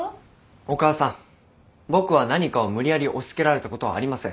お母さん僕は何かを無理やり押しつけられたことはありません。